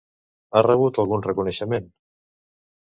Ha rebut algun reconeixement?